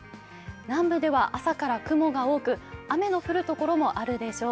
南部では朝から雲が多く、雨の降るところもあるでしょう。